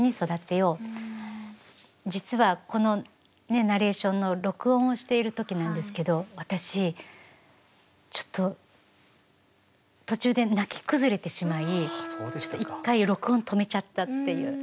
実はこのねっナレーションの録音をしている時なんですけど私ちょっと途中で泣き崩れてしまい一回録音止めちゃったっていう。